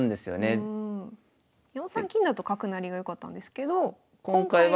４三金だと角成りが良かったんですけど今回は。